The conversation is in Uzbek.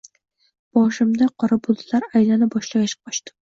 Boshimda qora bulutlar aylana boshlagach, qochdim.